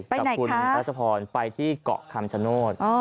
ไปไหนคะกับคุณรัชพรไปที่เกาะคำชโนธ